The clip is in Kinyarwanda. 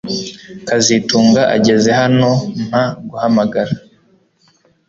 kazitunga ageze hano mpa guhamagara